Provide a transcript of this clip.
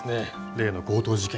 例の強盗事件。